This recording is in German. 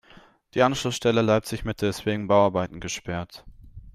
Die Anschlussstelle Leipzig-Mitte ist wegen Bauarbeiten gesperrt.